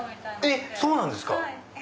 えっそうなんですか⁉